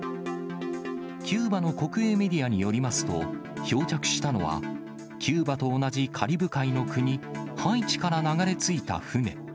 キューバの国営メディアによりますと、漂着したのは、キューバと同じカリブ海の国、ハイチから流れ着いた船。